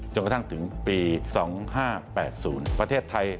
จนกระทั่งถึงปี๒๕๘๐ประเทศไทย